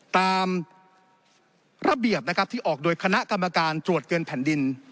ตามระเบียบนะครับที่ออกโดยคณะกรรมการตรวจเงินแผ่นดิน